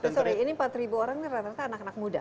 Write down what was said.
sorry ini empat orang ini rata rata anak anak muda